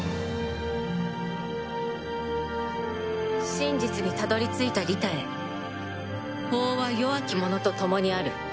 「真実にたどり着いたリタへ」「法は弱き者と共にある。